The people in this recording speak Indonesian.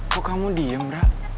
kok kamu diem rak